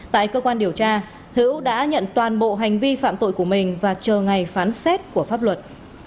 tại cơ quan điều tra hữu đã nhận toàn bộ hành vi phạm tội của mình và chờ ngày phán xét của pháp luật